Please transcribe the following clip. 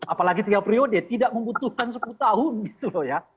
apalagi tiga periode tidak membutuhkan sepuluh tahun gitu loh ya